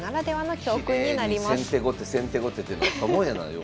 きれいに先手後手先手後手ってなったもんやなよう。